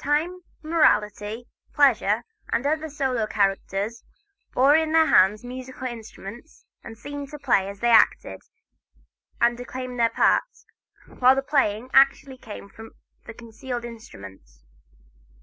Time, Morality, Pleasure, and other solo characters bore in their hands musical instruments and seemed to play as they acted and declaimed their parts, while the playing actually came from the concealed instruments.